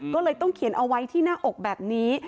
ก็เลยต้องเขียนเอาไว้ที่หน้าอกแบบนี้